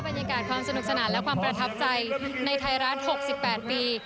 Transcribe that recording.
บรรยากาศความสนุกสนานและความประทับใจในไทยรัฐ๖๘ปี